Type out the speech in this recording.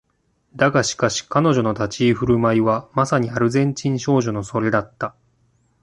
だがしかし彼女の立ち居振る舞いはまさにアルゼンチン人少女のそれだった